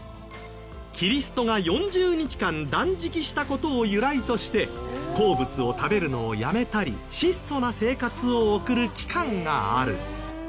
キリストが４０日間断食した事を由来として好物を食べるのをやめたり質素な生活を送る期間がある。